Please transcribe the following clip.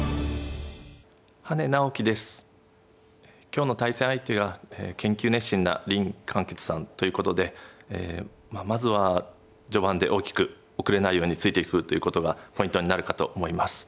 今日の対戦相手は研究熱心な林漢傑さんということでまずは序盤で大きく後れないようについていくということがポイントになるかと思います。